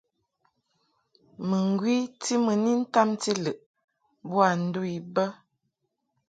Muŋgwi ti mɨ ni ntamti lɨʼ boa ndu I bə.